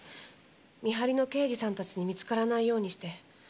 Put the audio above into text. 見張りの刑事さんたちに見つからないようにして。